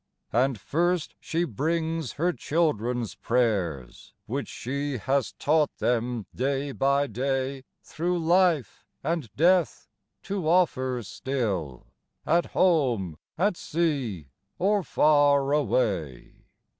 And first, she brings her children's prayers, Which she has taught them day by day Through life and death to offer still At home, at sea, or far away.